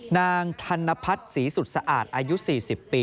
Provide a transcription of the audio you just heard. นางธนพัฒน์ศรีสุดสะอาดอายุ๔๐ปี